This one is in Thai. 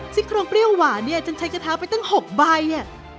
ซิครองเปรี้ยวหวานเนี่ยจนใช้กระทะไปตั้งหกใบอ่ะ